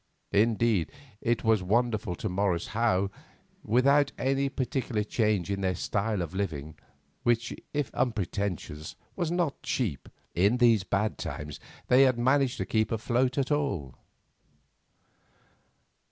Indeed, it was wonderful to Morris how, without any particular change in their style of living, which, if unpretentious, was not cheap, in these bad times they had managed to keep afloat at all.